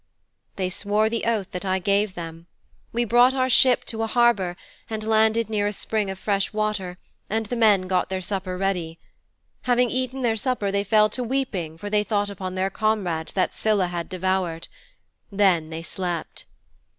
"' 'They swore the oath that I gave them. We brought our ship to a harbour, and landed near a spring of fresh water, and the men got their supper ready. Having eaten their supper they fell to weeping for they thought upon their comrades that Scylla had devoured. Then they slept.'